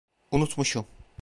Unutmuşum.